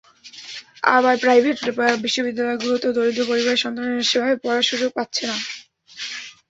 আবার প্রাইভেট বিশ্ববিদ্যালয়গুলোতে দরিদ্র পরিবারের সন্তানেরা সেভাবে পড়ার সুযোগ পাচ্ছেন না।